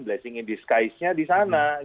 blessing in discuise nya di sana